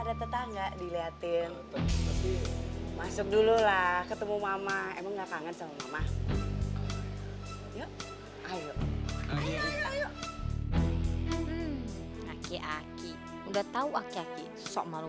dan adriana ini istri kamu